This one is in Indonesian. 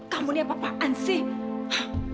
kamu ini apa apaan sih